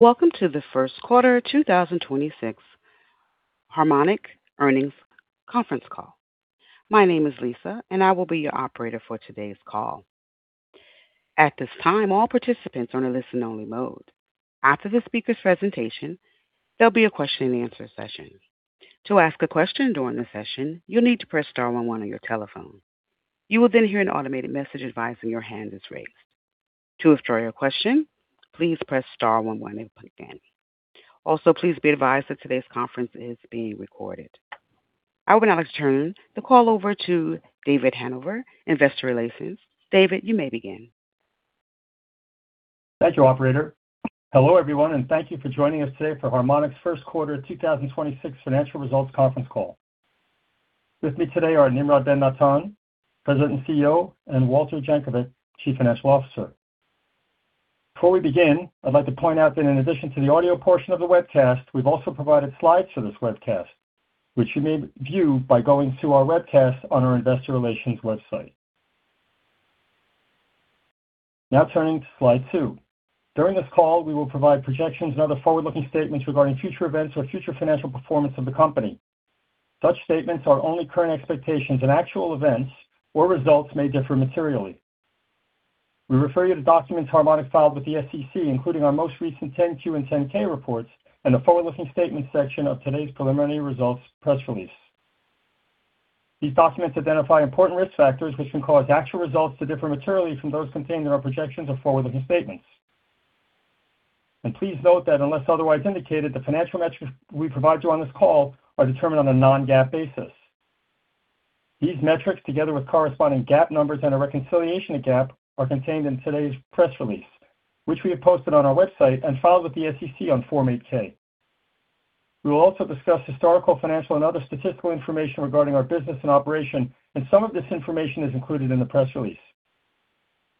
Welcome to the first quarter 2026 Harmonic earnings conference call. My name is Lisa, and I will be your operator for today's call. At this time, all participants are in a listen only mode. After the speaker's presentation, there'll be a question and answer session. To ask a question during the session, you need to press star one one on your telephone. You will then hear an automated message advising your hand is raised. To withdraw your question, please press star one one again. Also please be advised that today's conference is being recorded. I would now like to turn the call over to David Hanover, Investor Relations. David, you may begin. Thank you, operator. Hello, everyone, thank you for joining us today for Harmonic's first quarter 2026 financial results conference call. With me today are Nimrod Ben-Natan, President and CEO, and Walter Jankovic, Chief Financial Officer. Before we begin, I'd like to point out that in addition to the audio portion of the webcast, we've also provided slides for this webcast, which you may view by going to our webcast on our investor relations website. Now turning to slide two. During this call, we will provide projections and other forward-looking statements regarding future events or future financial performance of the company. Such statements are only current expectations and actual events or results may differ materially. We refer you to documents Harmonic filed with the SEC, including our most recent 10-Q and 10-K reports and the forward-looking statements section of today's preliminary results press release. These documents identify important risk factors which can cause actual results to differ materially from those contained in our projections or forward-looking statements. Please note that unless otherwise indicated, the financial metrics we provide you on this call are determined on a non-GAAP basis. These metrics, together with corresponding GAAP numbers and a reconciliation to GAAP, are contained in today's press release, which we have posted on our website and filed with the SEC on Form 8-K. We will also discuss historical, financial, and other statistical information regarding our business and operation, and some of this information is included in the press release.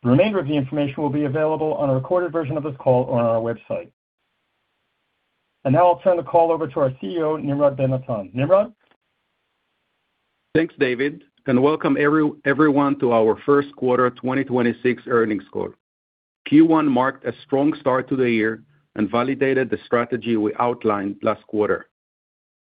The remainder of the information will be available on a recorded version of this call on our website. Now I'll turn the call over to our CEO, Nimrod Ben-Natan. Nimrod? Thanks, David, welcome everyone to our first quarter 2026 earnings call. Q1 marked a strong start to the year and validated the strategy we outlined last quarter.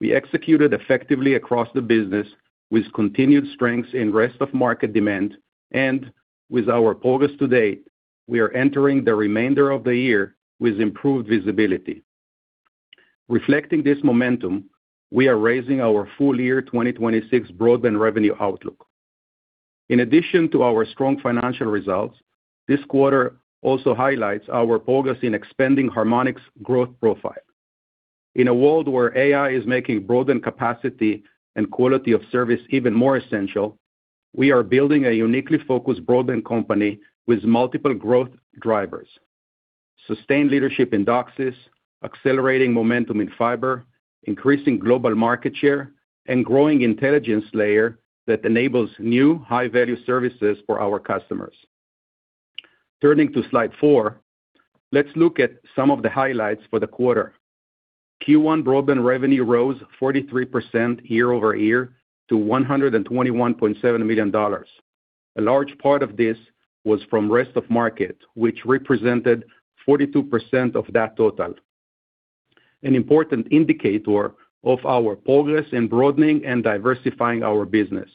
We executed effectively across the business with continued strength in Rest-of-Market demand and with our progress to date, we are entering the remainder of the year with improved visibility. Reflecting this momentum, we are raising our full year 2026 broadband revenue outlook. In addition to our strong financial results, this quarter also highlights our progress in expanding Harmonic's growth profile. In a world where AI is making broadband capacity and quality of service even more essential, we are building a uniquely focused broadband company with multiple growth drivers, sustained leadership in DOCSIS, accelerating momentum in fiber, increasing global market share, and growing intelligence layer that enables new high-value services for our customers. Turning to slide four, let's look at some of the highlights for the quarter. Q1 broadband revenue rose 43% year-over-year to $121.7 million. A large part of this was from Rest-of-Market, which represented 42% of that total, an important indicator of our progress in broadening and diversifying our business.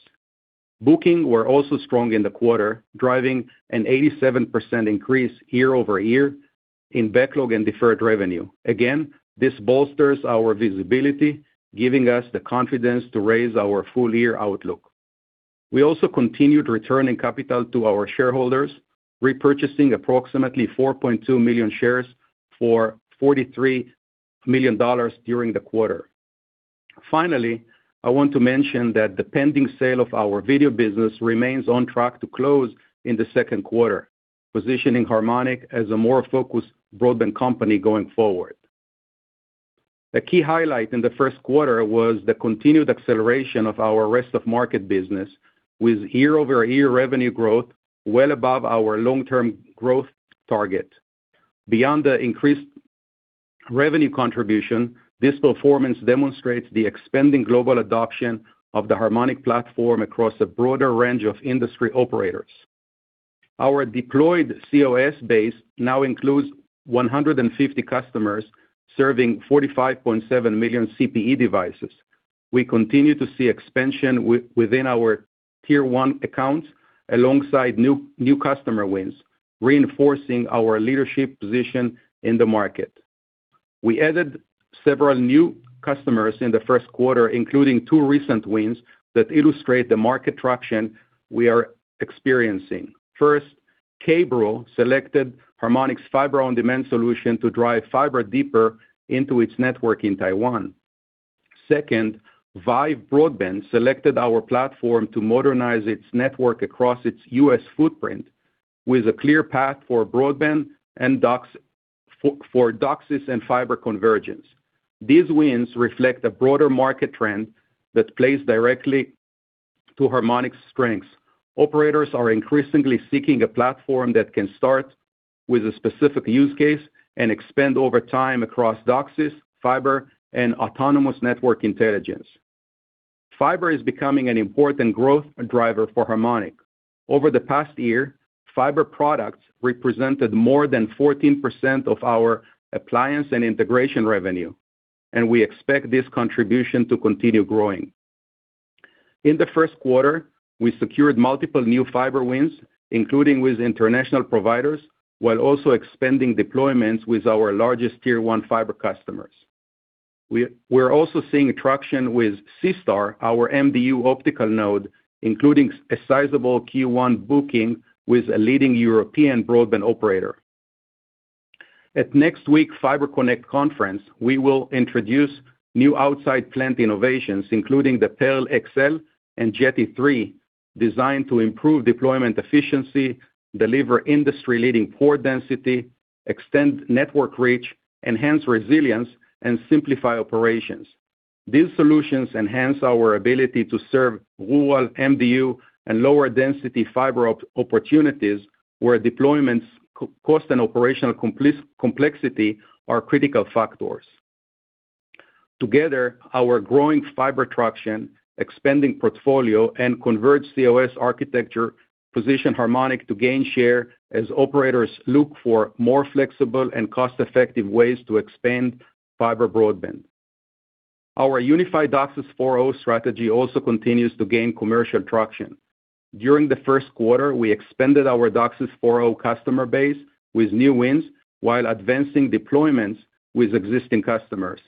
Booking were also strong in the quarter, driving an 87% increase year-over-year in backlog and deferred revenue. Again, this bolsters our visibility, giving us the confidence to raise our full year outlook. We also continued returning capital to our shareholders, repurchasing approximately 4.2 million shares for $43 million during the quarter. Finally, I want to mention that the pending sale of our video business remains on track to close in the second quarter, positioning Harmonic as a more focused broadband company going forward. A key highlight in the first quarter was the continued acceleration of our Rest-of-Market business with year-over-year revenue growth well above our long-term growth target. Beyond the increased revenue contribution, this performance demonstrates the expanding global adoption of the Harmonic platform across a broader range of industry operators. Our deployed cOS base now includes 150 customers serving 45.7 million CPE devices. We continue to see expansion within our tier 1 accounts alongside new customer wins, reinforcing our leadership position in the market. We added several new customers in the first quarter, including two recent wins that illustrate the market traction we are experiencing. First, KBRO selected Harmonic's Fiber-on-Demand solution to drive fiber deeper into its network in Taiwan. Second, Vyve Broadband selected our platform to modernize its network across its U.S. footprint with a clear path for broadband and DOCSIS and fiber convergence. These wins reflect a broader market trend that plays directly to Harmonic's strengths. Operators are increasingly seeking a platform that can start with a specific use case and expand over time across DOCSIS, fiber, and autonomous network intelligence. Fiber is becoming an important growth driver for Harmonic. Over the past year, fiber products represented more than 14% of our appliance and integration revenue, and we expect this contribution to continue growing. In the first quarter, we secured multiple new fiber wins, including with international providers, while also expanding deployments with our largest tier 1 fiber customers. We're also seeing traction with SeaStar, our MDU optical node, including a sizable Q1 booking with a leading European broadband operator. At next week's Fiber Connect conference, we will introduce new outside plant innovations, including the Pearl-1XL and Jetty-3, designed to improve deployment efficiency, deliver industry-leading port density, extend network reach, enhance resilience, and simplify operations. These solutions enhance our ability to serve rural MDU and lower density fiber opportunities where deployments cost and operational complexity are critical factors. Together, our growing fiber traction, expanding portfolio, and converged cOS architecture position Harmonic to gain share as operators look for more flexible and cost-effective ways to expand fiber broadband. Our unified DOCSIS 4.0 strategy also continues to gain commercial traction. During the first quarter, we expanded our DOCSIS 4.0 customer base with new wins while advancing deployments with existing customers.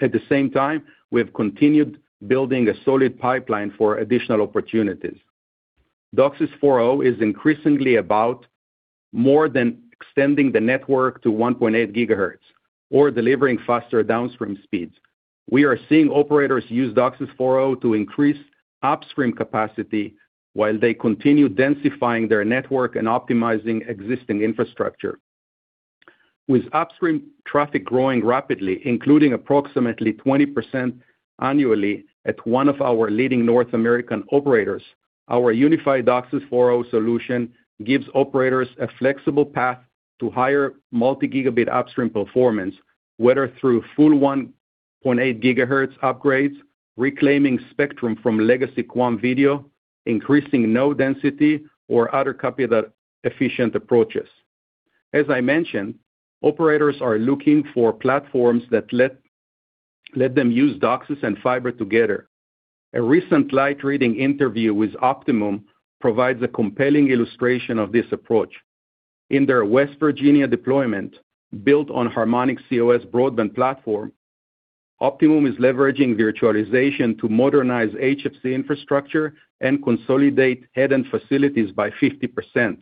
At the same time, we have continued building a solid pipeline for additional opportunities. DOCSIS 4.0 is increasingly about more than extending the network to 1.8 gigahertz or delivering faster downstream speeds. We are seeing operators use DOCSIS 4.0 to increase upstream capacity while they continue densifying their network and optimizing existing infrastructure. With upstream traffic growing rapidly, including approximately 20% annually at one of our leading North American operators, our unified DOCSIS 4.0 solution gives operators a flexible path to higher multi-gigabit upstream performance, whether through full 1.8 gigahertz upgrades, reclaiming spectrum from legacy QAM video, increasing node density, or other capital efficient approaches. As I mentioned, operators are looking for platforms that let them use DOCSIS and fiber together. A recent Light Reading interview with Optimum provides a compelling illustration of this approach. In their West Virginia deployment, built on Harmonic's cOS broadband platform, Optimum is leveraging virtualization to modernize HFC infrastructure and consolidate headend facilities by 50%.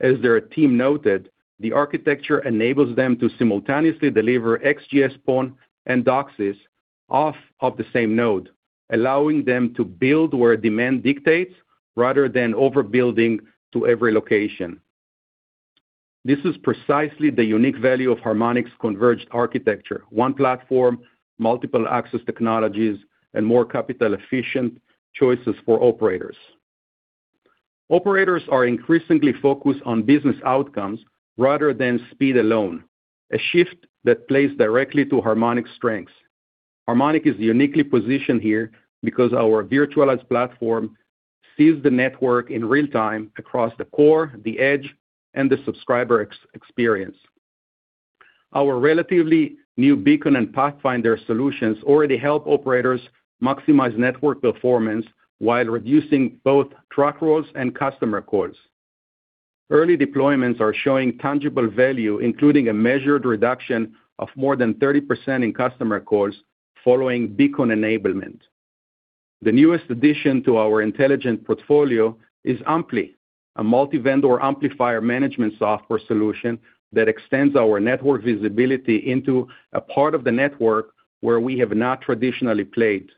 As their team noted, the architecture enables them to simultaneously deliver XGS-PON and DOCSIS off of the same node, allowing them to build where demand dictates rather than overbuilding to every location. This is precisely the unique value of Harmonic's converged architecture, one platform, multiple access technologies, and more capital efficient choices for operators. Operators are increasingly focused on business outcomes rather than speed alone, a shift that plays directly to Harmonic's strengths. Harmonic is uniquely positioned here because our virtualized platform sees the network in real time across the core, the edge, and the subscriber experience. Our relatively new Beacon and Pathfinder solutions already help operators maximize network performance while reducing both truck rolls and customer calls. Early deployments are showing tangible value, including a measured reduction of more than 30% in customer calls following Beacon enablement. The newest addition to our intelligent portfolio is Amply, a multi-vendor amplifier management software solution that extends our network visibility into a part of the network where we have not traditionally played.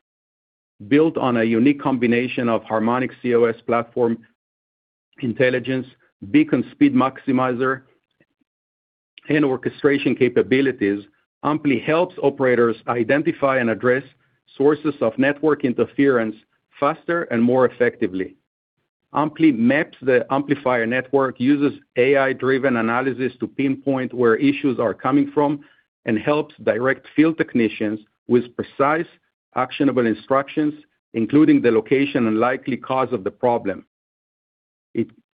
Built on a unique combination of Harmonic cOS platform intelligence, Beacon speed maximizer, and orchestration capabilities, Amply helps operators identify and address sources of network interference faster and more effectively. Amply maps the amplifier network, uses AI-driven analysis to pinpoint where issues are coming from, and helps direct field technicians with precise, actionable instructions, including the location and likely cause of the problem.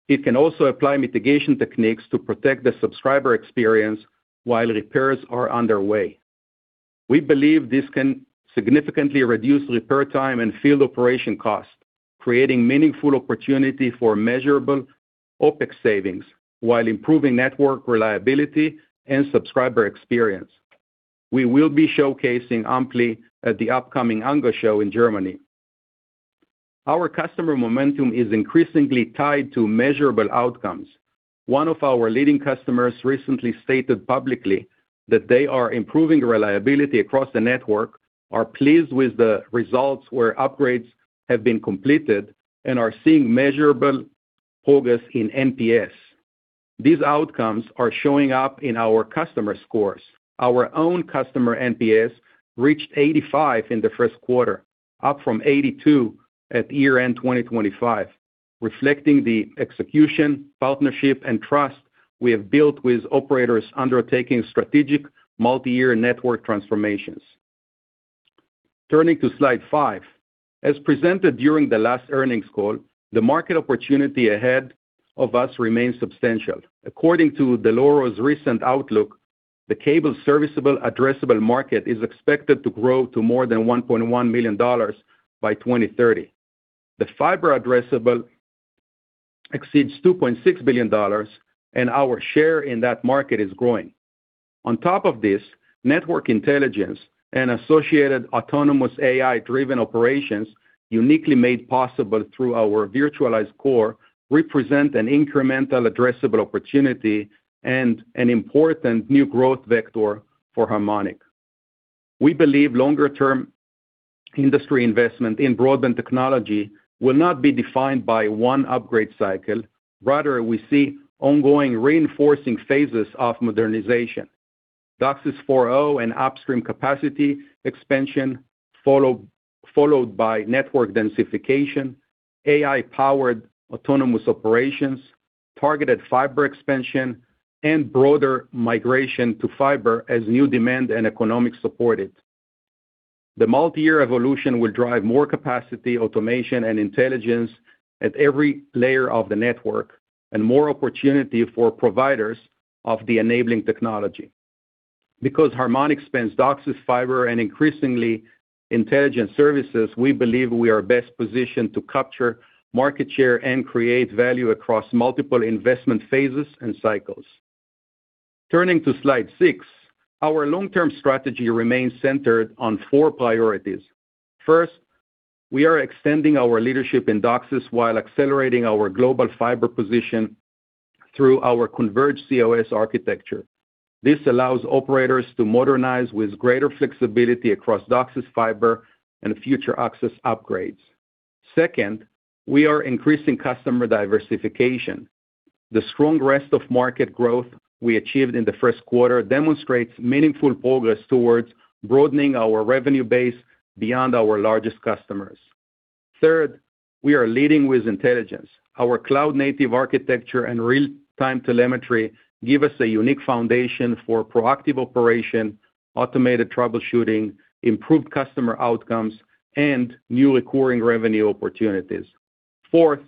It can also apply mitigation techniques to protect the subscriber experience while repairs are underway. We believe this can significantly reduce repair time and field operation costs, creating meaningful opportunity for measurable OpEx savings while improving network reliability and subscriber experience. We will be showcasing Amply at the upcoming ANGA COM in Germany. Our customer momentum is increasingly tied to measurable outcomes. One of our leading customers recently stated publicly that they are improving reliability across the network, are pleased with the results where upgrades have been completed, and are seeing measurable progress in NPS. These outcomes are showing up in our customer scores. Our own customer NPS reached 85 in the first quarter, up from 82 at year-end 2025. Reflecting the execution, partnership, and trust we have built with operators undertaking strategic multi-year network transformations. Turning to slide five. As presented during the last earnings call, the market opportunity ahead of us remains substantial. According to the Dell'Oro's recent outlook, the cable serviceable addressable market is expected to grow to more than $1.1 million by 2030. The fiber addressable exceeds $2.6 billion, and our share in that market is growing. On top of this, network intelligence and associated autonomous AI-driven operations, uniquely made possible through our virtualized core, represent an incremental addressable opportunity and an important new growth vector for Harmonic. We believe longer-term industry investment in broadband technology will not be defined by one upgrade cycle. Rather, we see ongoing reinforcing phases of modernization. DOCSIS 4.0 and upstream capacity expansion followed by network densification, AI-powered autonomous operations, targeted fiber expansion, and broader migration to fiber as new demand and economic support it. The multi-year evolution will drive more capacity, automation, and intelligence at every layer of the network, and more opportunity for providers of the enabling technology. Because Harmonic spans DOCSIS fiber and increasingly intelligent services, we believe we are best positioned to capture market share and create value across multiple investment phases and cycles. Turning to slide six, our long-term strategy remains centered on four priorities. First, we are extending our leadership in DOCSIS while accelerating our global fiber position through our converged cOS architecture. This allows operators to modernize with greater flexibility across DOCSIS fiber and future access upgrades. Second, we are increasing customer diversification. The strong Rest-of-Market growth we achieved in the first quarter demonstrates meaningful progress towards broadening our revenue base beyond our largest customers. Third, we are leading with intelligence. Our cloud-native architecture and real-time telemetry give us a unique foundation for proactive operation, automated troubleshooting, improved customer outcomes, and new recurring revenue opportunities. Fourth,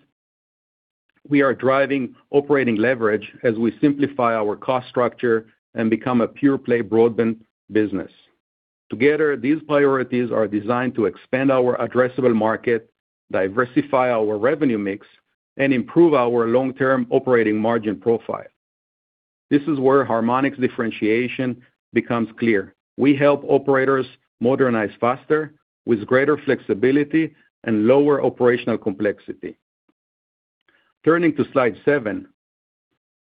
we are driving operating leverage as we simplify our cost structure and become a pure-play broadband business. Together, these priorities are designed to expand our addressable market, diversify our revenue mix, and improve our long-term operating margin profile. This is where Harmonic's differentiation becomes clear. We help operators modernize faster with greater flexibility and lower operational complexity. Turning to slide seven,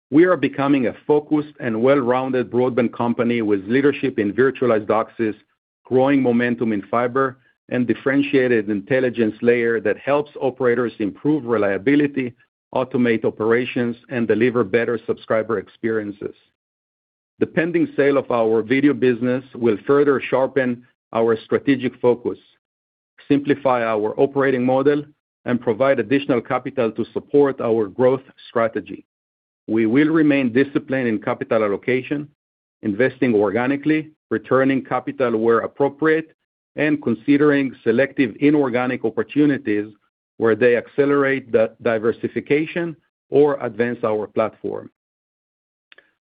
we are becoming a focused and well-rounded broadband company with leadership in virtualized DOCSIS, growing momentum in fiber, and differentiated intelligence layer that helps operators improve reliability, automate operations, and deliver better subscriber experiences. The pending sale of our video business will further sharpen our strategic focus, simplify our operating model, and provide additional capital to support our growth strategy. We will remain disciplined in capital allocation, investing organically, returning capital where appropriate, and considering selective inorganic opportunities where they accelerate the diversification or advance our platform.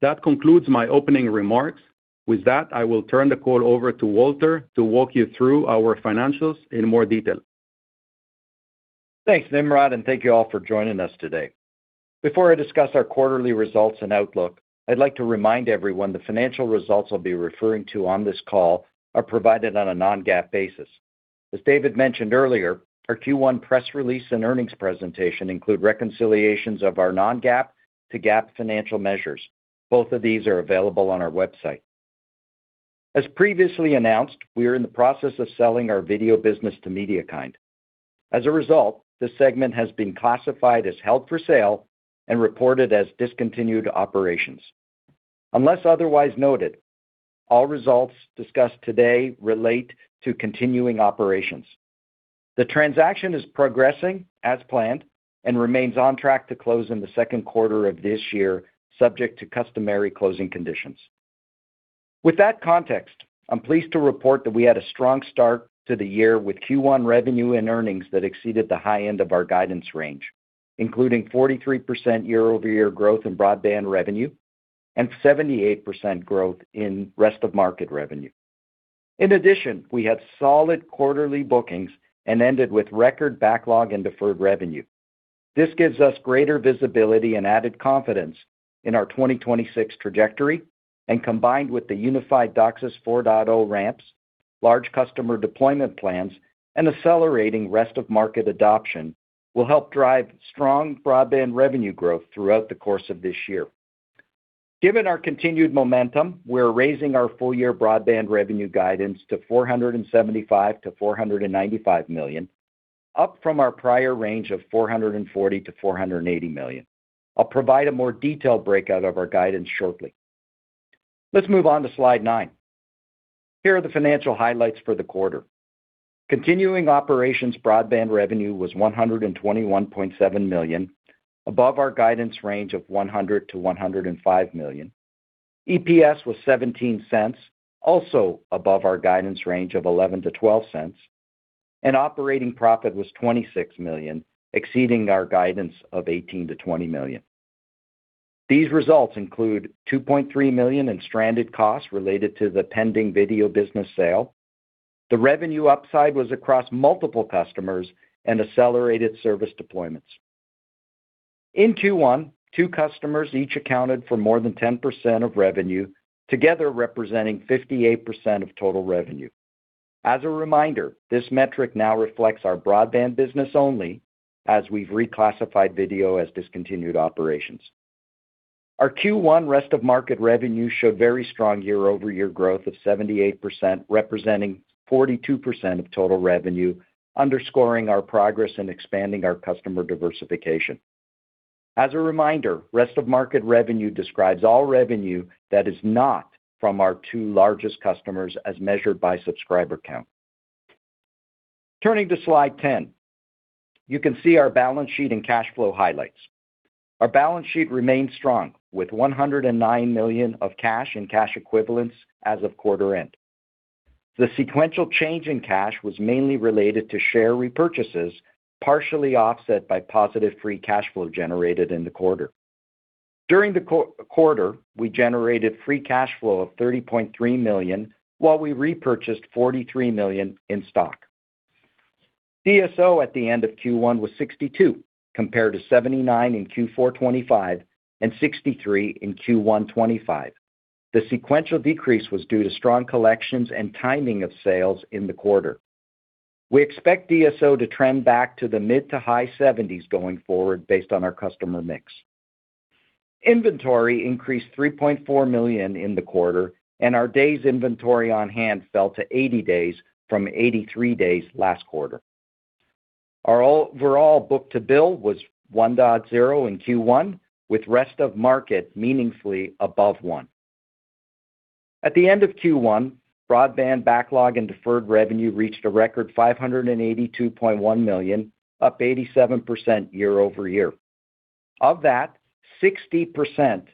That concludes my opening remarks. With that, I will turn the call over to Walter to walk you through our financials in more detail. Thanks, Nimrod. Thank you all for joining us today. Before I discuss our quarterly results and outlook, I'd like to remind everyone the financial results I'll be referring to on this call are provided on a non-GAAP basis. As David mentioned earlier, our Q1 press release and earnings presentation include reconciliations of our non-GAAP to GAAP financial measures. Both of these are available on our website. As previously announced, we are in the process of selling our video business to MediaKind. As a result, this segment has been classified as held for sale and reported as discontinued operations. Unless otherwise noted, all results discussed today relate to continuing operations. The transaction is progressing as planned and remains on track to close in the second quarter of this year, subject to customary closing conditions. With that context, I'm pleased to report that we had a strong start to the year with Q1 revenue and earnings that exceeded the high end of our guidance range, including 43% year-over-year growth in broadband revenue and 78% growth in Rest-of-Market revenue. In addition, we had solid quarterly bookings and ended with record backlog and deferred revenue. This gives us greater visibility and added confidence in our 2026 trajectory, and combined with the unified DOCSIS 4.0 ramps, large customer deployment plans, and accelerating Rest-of-Market adoption, will help drive strong broadband revenue growth throughout the course of this year. Given our continued momentum, we're raising our full-year broadband revenue guidance to $475 million-$495 million, up from our prior range of $440 million-$480 million. I'll provide a more detailed breakout of our guidance shortly. Let's move on to slide nine. Here are the financial highlights for the quarter. Continuing operations broadband revenue was $121.7 million, above our guidance range of $100 million-$105 million. EPS was $0.17, also above our guidance range of $0.11-$0.12. Operating profit was $26 million, exceeding our guidance of $18 million-$20 million. These results include $2.3 million in stranded costs related to the pending video business sale. The revenue upside was across multiple customers and accelerated service deployments. In Q1, two customers each accounted for more than 10% of revenue, together representing 58% of total revenue. As a reminder, this metric now reflects our broadband business only as we've reclassified video as discontinued operations. Our Q1 Rest-of-Market revenue showed very strong year-over-year growth of 78%, representing 42% of total revenue, underscoring our progress in expanding our customer diversification. As a reminder, Rest-of-Market revenue describes all revenue that is not from our two largest customers as measured by subscriber count. Turning to slide 10, you can see our balance sheet and cash flow highlights. Our balance sheet remains strong with $109 million of cash and cash equivalents as of quarter end. The sequential change in cash was mainly related to share repurchases, partially offset by positive free cash flow generated in the quarter. During the quarter, we generated free cash flow of $30.3 million, while we repurchased $43 million in stock. DSO at the end of Q1 was 62 compared to 79 in Q4 2025 and 63 in Q1 2025. The sequential decrease was due to strong collections and timing of sales in the quarter. We expect DSO to trend back to the mid to high 70s going forward based on our customer mix. Inventory increased $3.4 million in the quarter, and our days inventory on hand fell to 80 days from 83 days last quarter. Our overall book-to-bill was 1.0x in Q1, with Rest-of-Market meaningfully above 1x. At the end of Q1, broadband backlog and deferred revenue reached a record $582.1 million, up 87% year-over-year. Of that, 60%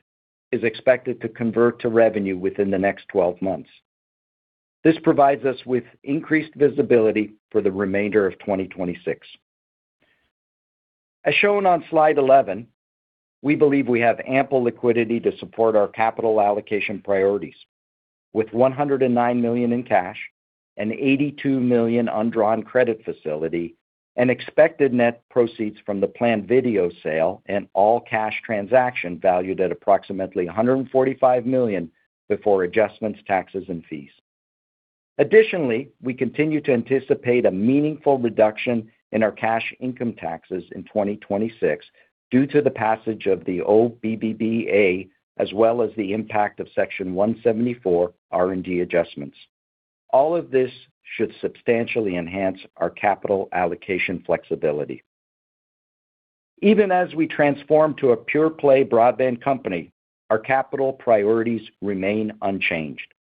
is expected to convert to revenue within the next 12 months. This provides us with increased visibility for the remainder of 2026. As shown on slide 11, we believe we have ample liquidity to support our capital allocation priorities with $109 million in cash, an $82 million undrawn credit facility, and expected net proceeds from the planned video sale and all-cash transaction valued at approximately $145 million before adjustments, taxes, and fees. Additionally, we continue to anticipate a meaningful reduction in our cash income taxes in 2026 due to the passage of the OBBA, as well as the impact of Section 174 R&D adjustments. All of this should substantially enhance our capital allocation flexibility. Even as we transform to a pure play broadband company, our capital priorities remain unchanged.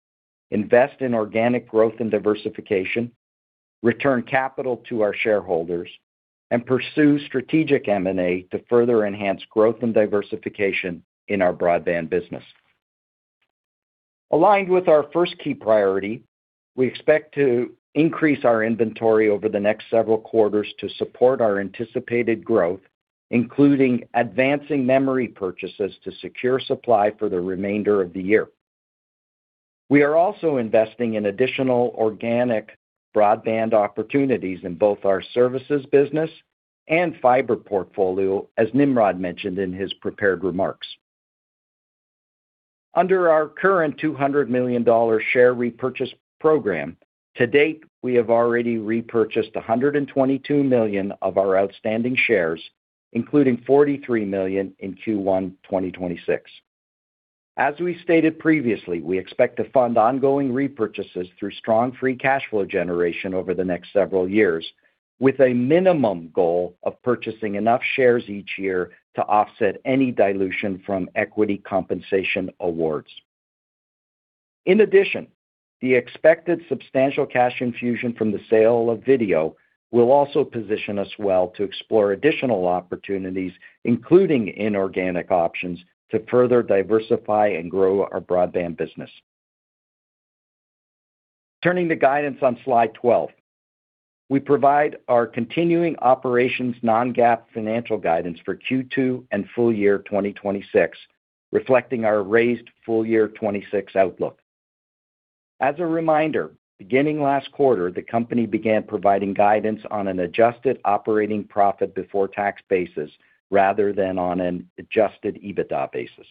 Invest in organic growth and diversification, return capital to our shareholders, and pursue strategic M&A to further enhance growth and diversification in our broadband business. Aligned with our first key priority, we expect to increase our inventory over the next several quarters to support our anticipated growth, including advancing memory purchases to secure supply for the remainder of the year. We are also investing in additional organic broadband opportunities in both our services business and fiber portfolio, as Nimrod mentioned in his prepared remarks. Under our current $200 million share repurchase program, to date, we have already repurchased $122 million of our outstanding shares, including $43 million in Q1 2026. As we stated previously, we expect to fund ongoing repurchases through strong free cash flow generation over the next several years, with a minimum goal of purchasing enough shares each year to offset any dilution from equity compensation awards. In addition, the expected substantial cash infusion from the sale of video will also position us well to explore additional opportunities, including inorganic options, to further diversify and grow our broadband business. Turning to guidance on slide 12, we provide our continuing operations non-GAAP financial guidance for Q2 and full year 2026, reflecting our raised full year 2026 outlook. As a reminder, beginning last quarter, the company began providing guidance on an adjusted operating profit before tax basis rather than on an adjusted EBITDA basis.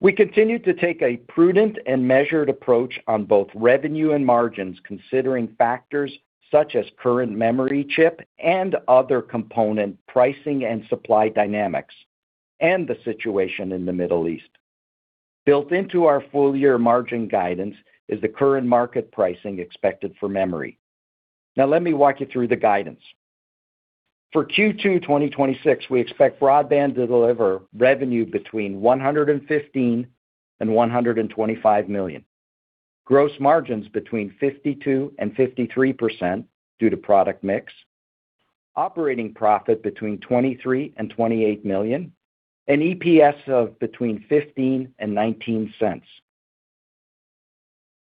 We continue to take a prudent and measured approach on both revenue and margins, considering factors such as current memory chip and other component pricing and supply dynamics and the situation in the Middle East. Built into our full year margin guidance is the current market pricing expected for memory. Let me walk you through the guidance. For Q2 2026, we expect broadband to deliver revenue between $115 million and $125 million. Gross margins between 52% and 53% due to product mix. Operating profit between $23 million and $28 million, and EPS of between $0.15 and $0.19.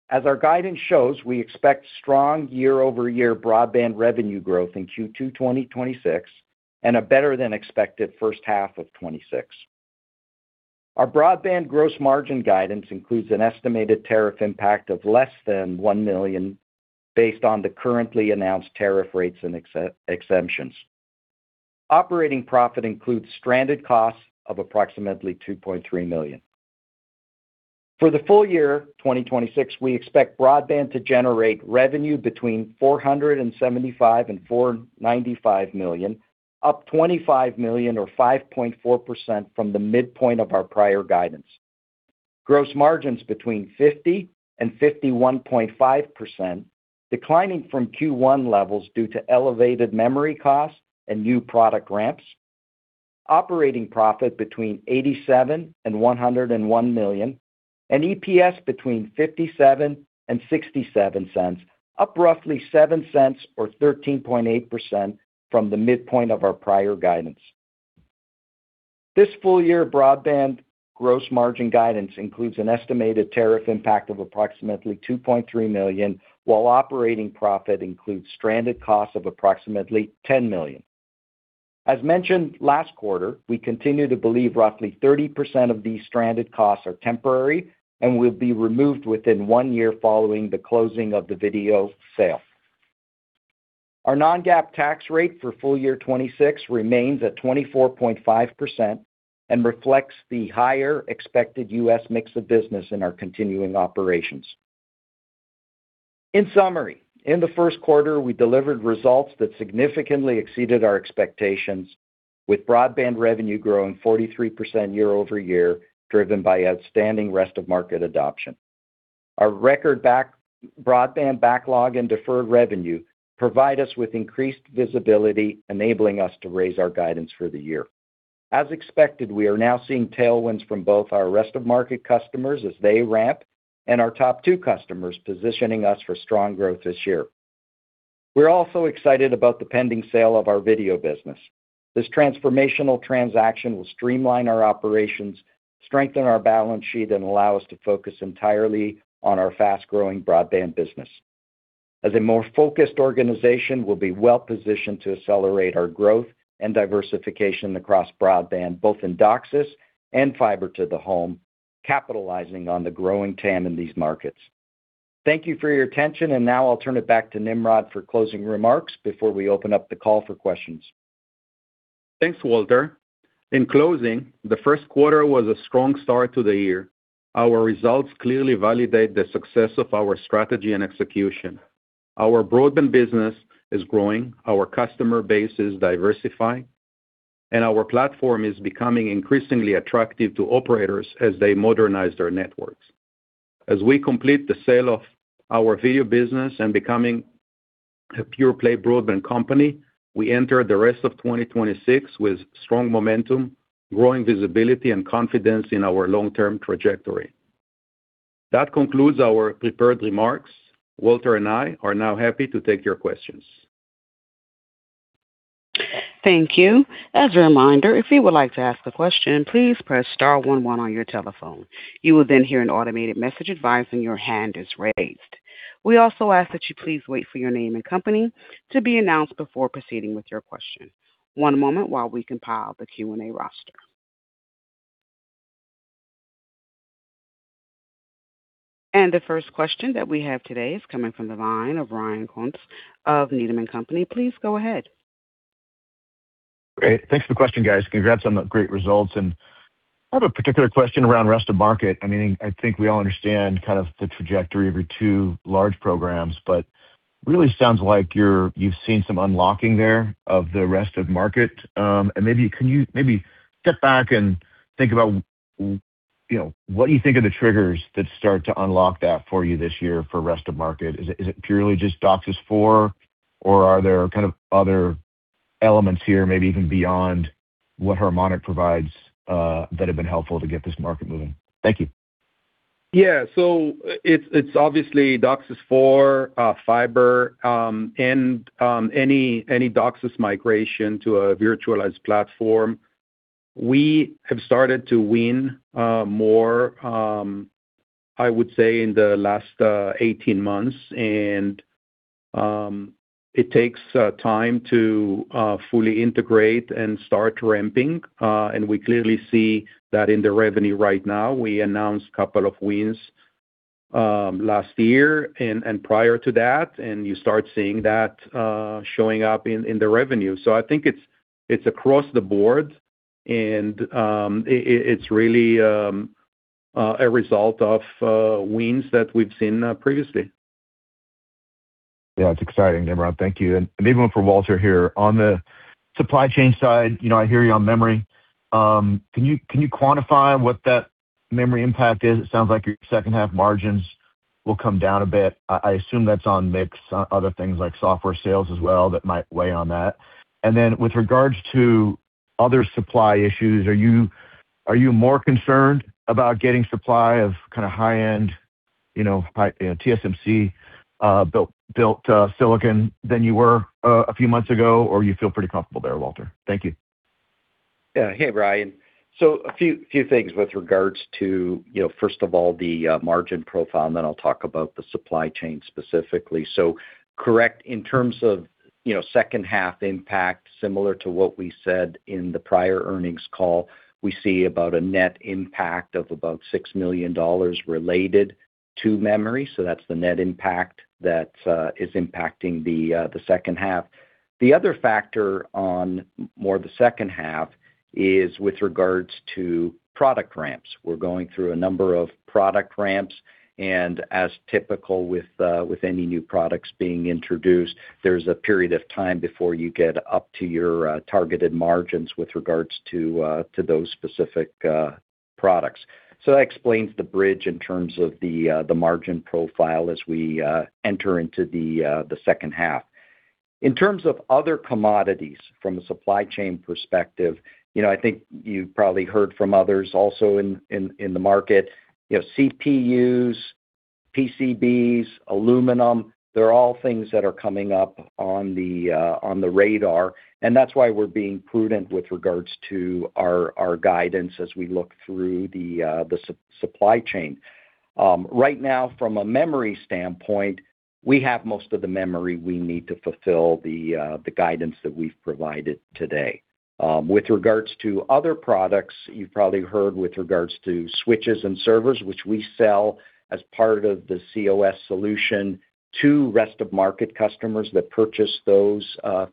As our guidance shows, we expect strong year-over-year broadband revenue growth in Q2 2026 and a better-than-expected first half of 2026. Our broadband gross margin guidance includes an estimated tariff impact of less than $1 million based on the currently announced tariff rates and exemptions. Operating profit includes stranded costs of approximately $2.3 million. For the full year 2026, we expect broadband to generate revenue between $475 million and $495 million, up $25 million or 5.4% from the midpoint of our prior guidance. Gross margins between 50% and 51.5%, declining from Q1 levels due to elevated memory costs and new product ramps. Operating profit between $87 million and $101 million, and EPS between $0.57 and $0.67, up roughly $0.07 or 13.8% from the midpoint of our prior guidance. This full year broadband gross margin guidance includes an estimated tariff impact of approximately $2.3 million, while operating profit includes stranded costs of approximately $10 million. As mentioned last quarter, we continue to believe roughly 30% of these stranded costs are temporary and will be removed within one year following the closing of the video sale. Our non-GAAP tax rate for full year 2026 remains at 24.5% and reflects the higher expected U.S. mix of business in our continuing operations. In summary, in the first quarter, we delivered results that significantly exceeded our expectations, with broadband revenue growing 43% year-over-year, driven by outstanding Rest-of-Market adoption. Our record broadband backlog and deferred revenue provide us with increased visibility, enabling us to raise our guidance for the year. As expected, we are now seeing tailwinds from both our Rest-of-Market customers as they ramp and our top two customers positioning us for strong growth this year. We're also excited about the pending sale of our video business. This transformational transaction will streamline our operations, strengthen our balance sheet, and allow us to focus entirely on our fast-growing broadband business. As a more focused organization, we'll be well-positioned to accelerate our growth and diversification across broadband, both in DOCSIS and fiber to the home, capitalizing on the growing TAM in these markets. Thank you for your attention, and now I'll turn it back to Nimrod for closing remarks before we open up the call for questions. Thanks, Walter. In closing, the first quarter was a strong start to the year. Our results clearly validate the success of our strategy and execution. Our broadband business is growing, our customer base is diversifying, and our platform is becoming increasingly attractive to operators as they modernize their networks. As we complete the sale of our video business and becoming a pure-play broadband company, we enter the rest of 2026 with strong momentum, growing visibility, and confidence in our long-term trajectory. That concludes our prepared remarks. Walter and I are now happy to take your questions. Thank you. As a reminder, if you would like to ask a question, please press star one one on your telephone. You will then hear an automated message advising your hand is raised. We also ask that you please wait for your name and company to be announced before proceeding with your question. One moment while we compile the Q&A roster. The first question that we have today is coming from the line of Ryan Koontz of Needham & Company. Please go ahead. Great. Thanks for the question, guys. Congrats on the great results. I have a particular question around Rest-of-Market. I mean, I think we all understand kind of the trajectory of your two large programs, but really sounds like you've seen some unlocking there of the Rest-of-Market. Maybe can you maybe step back and think about, you know, what you think are the triggers that start to unlock that for you this year for Rest-of-Market. Is it purely just DOCSIS 4 or are there kind of other elements here, maybe even beyond what Harmonic provides, that have been helpful to get this market moving? Thank you. It's obviously DOCSIS 4, fiber, and any DOCSIS migration to a virtualized platform. We have started to win more, I would say in the last 18 months. It takes time to fully integrate and start ramping. We clearly see that in the revenue right now. We announced a couple of wins last year and prior to that, and you start seeing that showing up in the revenue. I think it's across the board and it's really a result of wins that we've seen previously. Yeah, it's exciting, Nimrod. Thank you. Maybe one for Walter here. On the supply chain side, you know, I hear you on memory. Can you quantify what that memory impact is? It sounds like your second half margins will come down a bit. I assume that's on mix, other things like software sales as well that might weigh on that. Then with regards to other supply issues, are you more concerned about getting supply of kinda high-end, you know, TSMC built silicon than you were a few months ago, or you feel pretty comfortable there, Walter? Thank you. Yeah. Hey, Ryan. A few things with regards to, you know, first of all the margin profile, and then I'll talk about the supply chain specifically. Correct, in terms of, you know, second half impact, similar to what we said in the prior earnings call, we see about a net impact of about $6 million related to memory. That's the net impact that is impacting the second half. The other factor on more the second half is with regards to product ramps. We're going through a number of product ramps, and as typical with any new products being introduced, there's a period of time before you get up to your targeted margins with regards to those specific products. That explains the bridge in terms of the margin profile as we enter into the second half. In terms of other commodities from a supply chain perspective, you know, I think you've probably heard from others also in, in the market, you know, CPUs, PCBs, aluminum, they're all things that are coming up on the radar, and that's why we're being prudent with regards to our guidance as we look through the supply chain. Right now from a memory standpoint, we have most of the memory we need to fulfill the guidance that we've provided today. With regards to other products, you've probably heard with regards to switches and servers, which we sell as part of the cOS solution to Rest-of-Market customers that purchase those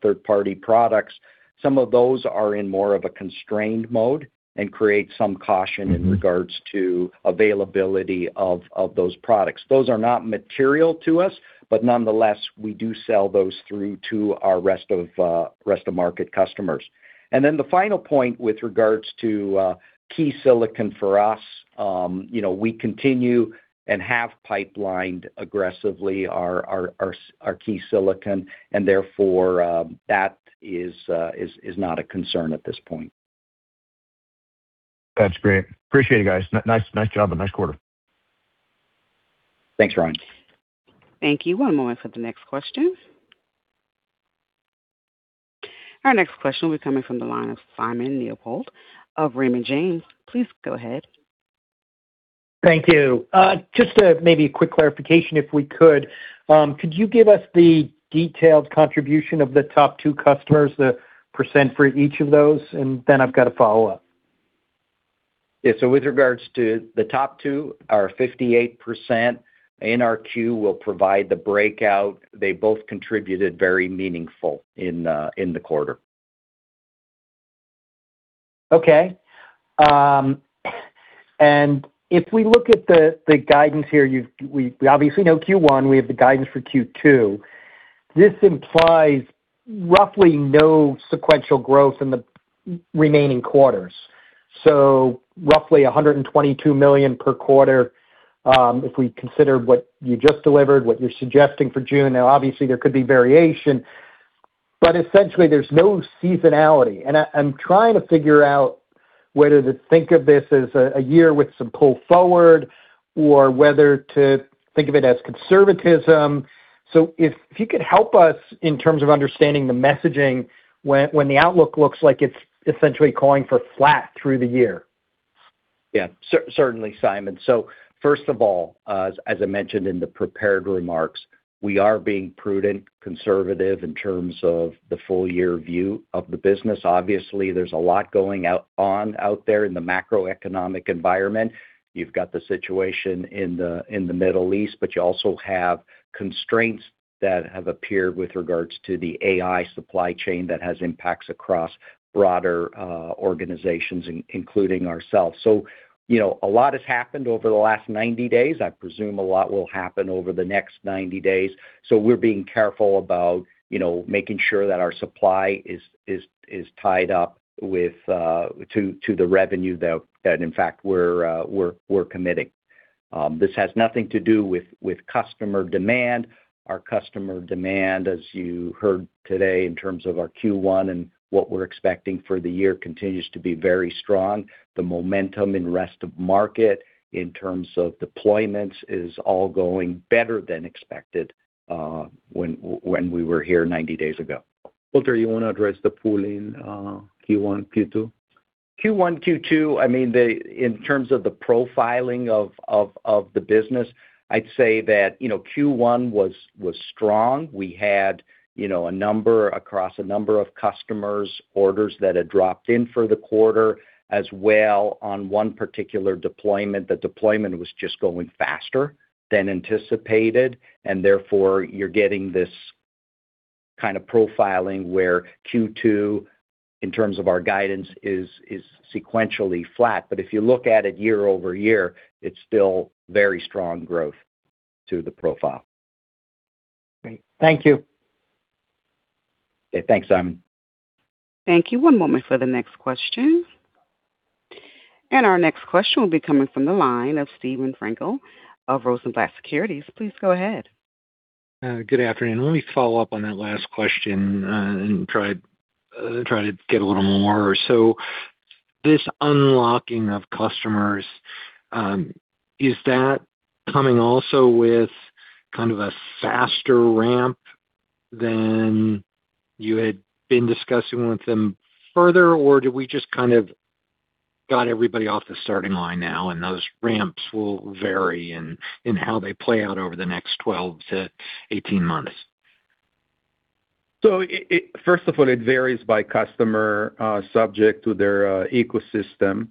third-party products. Some of those are in more of a constrained mode and create some caution in regards to availability of those products. Those are not material to us, but nonetheless, we do sell those through to our Rest-of-Market customers. The final point with regards to key silicon for us, you know, we continue and have pipelined aggressively our key silicon and therefore, that is not a concern at this point. That's great. Appreciate it, guys. Nice job and nice quarter. Thanks, Ryan. Thank you. One moment for the next question. Our next question will be coming from the line of Simon Leopold of Raymond James. Please go ahead. Thank you. Just a maybe a quick clarification, if we could. Could you give us the detailed contribution of the top two customers, the percent for each of those? I've got a follow-up. Yeah. With regards to the top two are 58%. NRQ will provide the breakout. They both contributed very meaningful in the quarter. Okay. If we look at the guidance here, we obviously know Q1, we have the guidance for Q2. This implies roughly no sequential growth in the remaining quarters. Roughly $122 million per quarter, if we consider what you just delivered, what you're suggesting for June, now obviously there could be variation, but essentially there's no seasonality. I'm trying to figure out whether to think of this as a year with some pull forward or whether to think of it as conservatism. If you could help us in terms of understanding the messaging when the outlook looks like it's essentially calling for flat through the year. Yeah. Certainly, Simon. First of all, as I mentioned in the prepared remarks, we are being prudent, conservative in terms of the full year view of the business. Obviously, there's a lot going on out there in the macroeconomic environment. You've got the situation in the Middle East, you also have constraints that have appeared with regards to the AI supply chain that has impacts across broader organizations, including ourselves. You know, a lot has happened over the last 90 days. I presume a lot will happen over the next 90 days. We're being careful about, you know, making sure that our supply is tied up to the revenue that in fact we're committing. This has nothing to do with customer demand. Our customer demand, as you heard today in terms of our Q1 and what we're expecting for the year, continues to be very strong. The momentum in Rest-of-Market in terms of deployments is all going better than expected, when we were here 90 days ago. Walter, you wanna address the pooling, Q1, Q2? Q1, Q2, I mean, in terms of the profiling of the business, I'd say that, you know, Q1 was strong. We had, you know, a number across a number of customers, orders that had dropped in for the quarter, as well on one particular deployment. The deployment was just going faster than anticipated. Therefore you're getting this kind of profiling where Q2, in terms of our guidance is sequentially flat. If you look at it year-over-year, it's still very strong growth to the profile. Great. Thank you. Okay, thanks Simon. Thank you. One moment for the next question. Our next question will be coming from the line of Steven Frankel of Rosenblatt Securities. Please go ahead. Good afternoon. Let me follow up on that last question, and try to get a little more. This unlocking of customers, is that coming also with kind of a faster ramp than you had been discussing with them further? Or do we just kind of got everybody off the starting line now, and those ramps will vary in how they play out over the next 12 to 18 months? First of all, it varies by customer, subject to their ecosystem.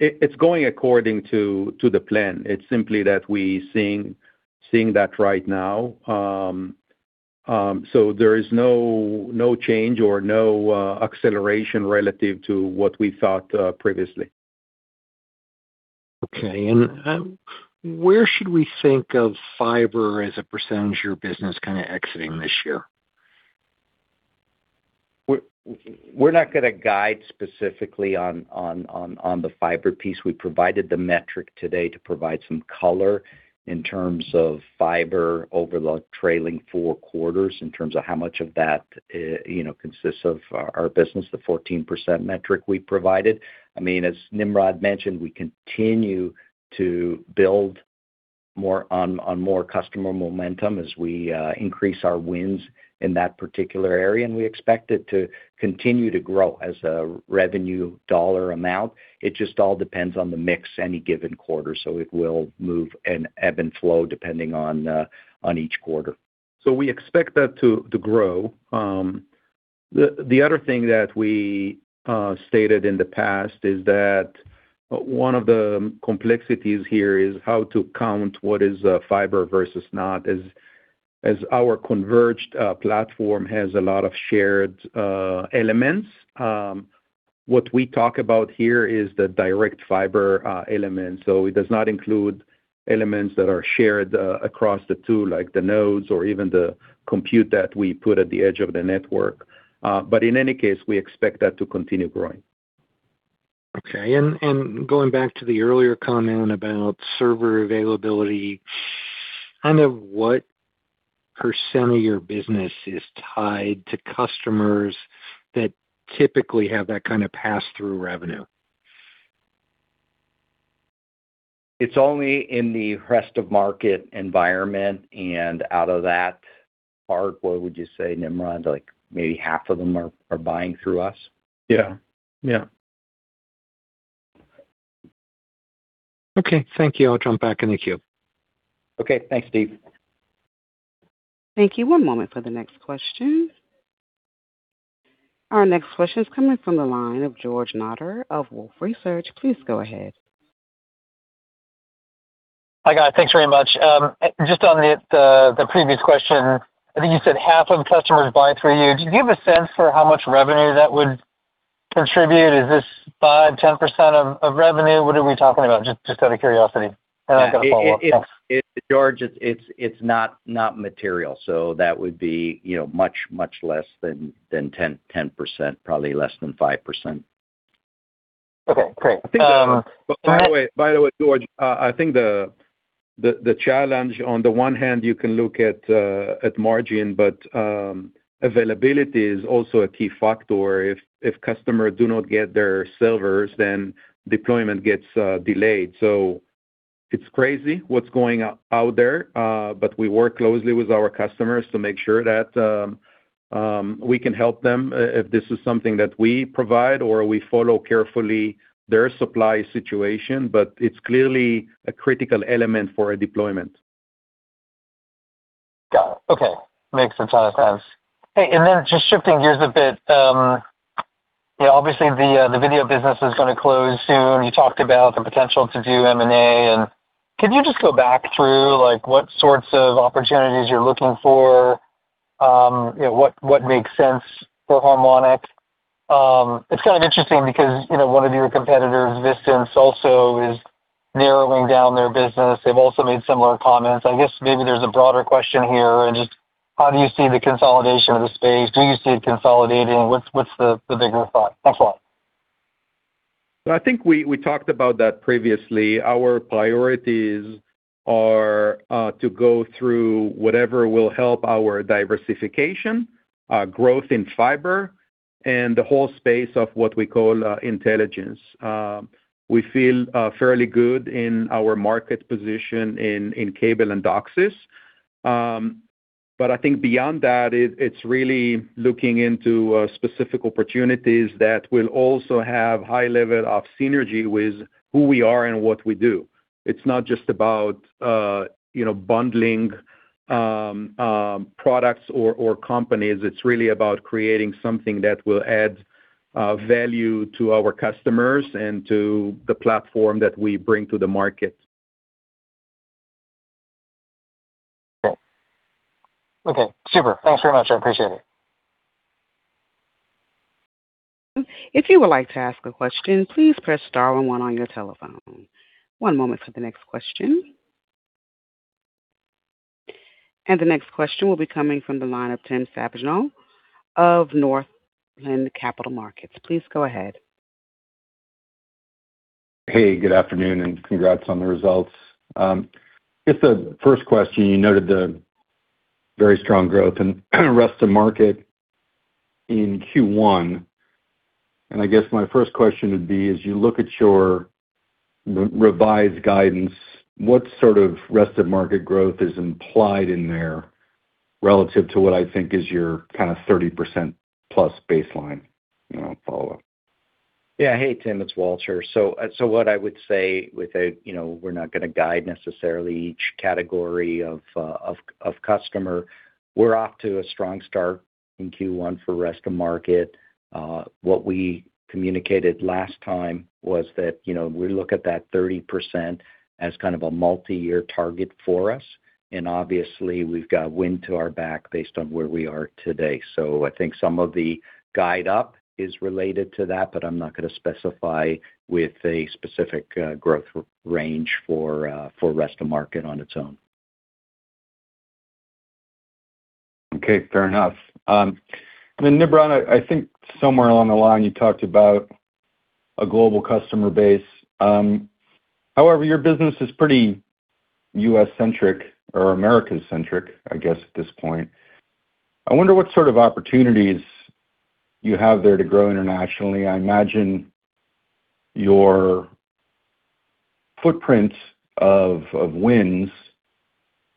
It's going according to the plan. It's simply that we seeing that right now. There is no change or no acceleration relative to what we thought previously. Okay. where should we think of fiber as a percentage of your business kinda exiting this year? We're not gonna guide specifically on the fiber piece. We provided the metric today to provide some color in terms of fiber over the trailing four quarters, in terms of how much of that, you know, consists of our business, the 14% metric we provided. I mean, as Nimrod mentioned, we continue to build more on more customer momentum as we increase our wins in that particular area, and we expect it to continue to grow as a revenue dollar amount. It just all depends on the mix any given quarter, so it will move an ebb and flow depending on each quarter. We expect that to grow. The other thing that we stated in the past is that one of the complexities here is how to count what is fiber versus not, as our converged platform has a lot of shared elements. What we talk about here is the direct fiber elements. It does not include elements that are shared across the two, like the nodes or even the compute that we put at the edge of the network. In any case, we expect that to continue growing. Okay. Going back to the earlier comment about server availability, kind of what percent of your business is tied to customers that typically have that kind of pass-through revenue? It's only in the Rest-of-Market environment. Out of that part, what would you say, Nimrod? Like, maybe half of them are buying through us. Yeah. Yeah. Okay. Thank you. I'll drop back in the queue. Okay. Thanks, Steve. Thank you. One moment for the next question. Our next question is coming from the line of George Notter of Wolfe Research. Please go ahead. Hi, guys. Thanks very much. Just on the previous question, I think you said half of customers buy through you. Do you have a sense for how much revenue that would contribute? Is this 5%, 10% of revenue? What are we talking about? Just out of curiosity. I've got a follow-up. Thanks. Yeah. It, George, it's not material. That would be, you know, much less than 10%, probably less than 5%. Okay, great. I think. Go ahead. By the way, George, I think the challenge on the one hand you can look at margin, but availability is also a key factor. If customer do not get their servers, then deployment gets delayed. It's crazy what's going out there, we work closely with our customers to make sure that we can help them if this is something that we provide or we follow carefully their supply situation. It's clearly a critical element for a deployment. Got it. Okay. Makes a ton of sense. Hey, then just shifting gears a bit, you know, obviously the video business is gonna close soon. You talked about the potential to do M&A, could you just go back through, like, what sorts of opportunities you're looking for? You know, what makes sense for Harmonic? It's kind of interesting because, you know, one of your competitors, Vecima, also is narrowing down their business. They've also made similar comments. I guess maybe there's a broader question here just how do you see the consolidation of the space? Do you see it consolidating? What's the bigger thought? Thanks a lot. I think we talked about that previously. Our priorities are to go through whatever will help our diversification, growth in fiber and the whole space of what we call intelligence. We feel fairly good in our market position in cable and DOCSIS. I think beyond that, it's really looking into specific opportunities that will also have high level of synergy with who we are and what we do. It's not just about, you know, bundling products or companies. It's really about creating something that will add value to our customers and to the platform that we bring to the market. Okay. Okay, super. Thanks very much. I appreciate it. If you would like to ask a question, please press star one one on your telephone. One moment for the next question. The next question will be coming from the line of Tim Savageaux of Northland Capital Markets. Please go ahead. Hey, good afternoon, and congrats on the results. I guess the first question, you noted the very strong growth and Rest-of-Market in Q1. I guess my first question would be, as you look at your revised guidance, what sort of Rest-of-Market growth is implied in there relative to what I think is your kind of 30%+ baseline? I'll follow up. Yeah. Hey, Tim. It's Walter. So what I would say without, you know, we're not going to guide necessarily each category of customer. We're off to a strong start in Q1 for Rest-of-Market. What we communicated last time was that, you know, we look at that 30% as kind of a multi-year target for us. Obviously, we've got wind to our back based on where we are today. I think some of the guide up is related to that, but I'm not going to specify with a specific growth range for Rest-of-Market on its own. Okay, fair enough. Nimrod, I think somewhere along the line you talked about a global customer base. However, your business is pretty U.S.-centric or Americas-centric, I guess, at this point. I wonder what sort of opportunities you have there to grow internationally. I imagine your footprints of wins,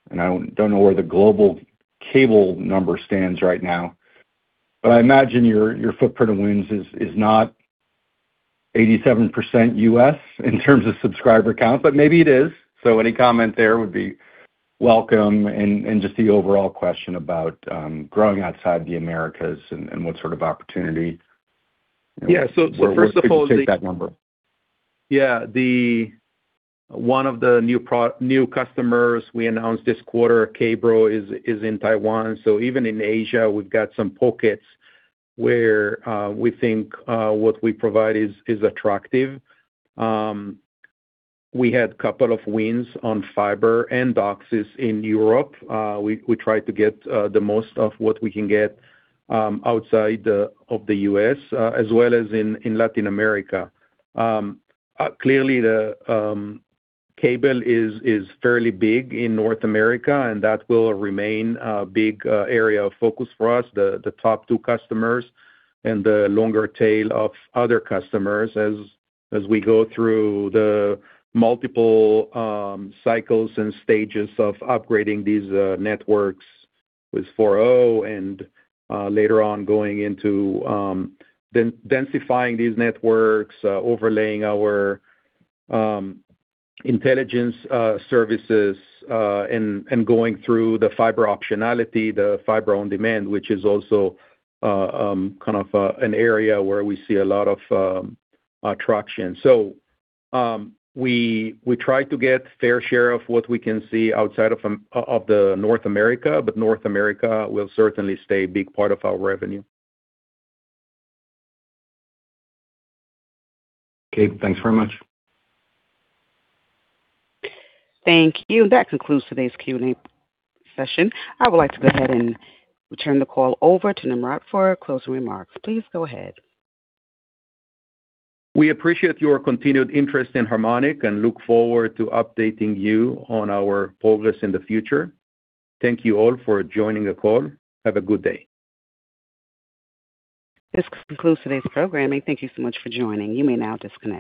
and I don't know where the global cable number stands right now, but I imagine your footprint of wins is not 87% U.S. in terms of subscriber count, but maybe it is. Any comment there would be welcome and just the overall question about growing outside the Americas and what sort of opportunity. Yeah. First of all. Where could you take that number? Yeah. One of the new customers we announced this quarter, KBRO, is in Taiwan. Even in Asia, we've got some pockets where we think what we provide is attractive. We had couple of wins on fiber and DOCSIS in Europe. We try to get the most of what we can get outside of the U.S. as well as in Latin America. Clearly the cable is fairly big in North America, and that will remain a big area of focus for us, the top two customers and the longer tail of other customers as we go through the multiple cycles and stages of upgrading these networks with 4.0 and later on, going into densifying these networks, overlaying our intelligence services, and going through the fiber optionality, the Fiber-on-Demand, which is also kind of an area where we see a lot of traction. We try to get fair share of what we can see outside of North America, but North America will certainly stay a big part of our revenue. Okay. Thanks very much. Thank you. That concludes today's Q&A session. I would like to go ahead and turn the call over to Nimrod for closing remarks. Please go ahead. We appreciate your continued interest in Harmonic and look forward to updating you on our progress in the future. Thank you all for joining the call. Have a good day. This concludes today's programming. Thank you so much for joining. You may now disconnect.